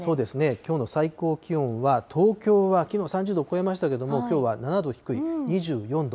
きょうの最高気温は、東京はきのう３０度を超えましたけれども、きょうは７度低い２４度。